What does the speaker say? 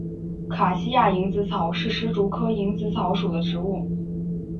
卡西亚蝇子草是石竹科蝇子草属的植物。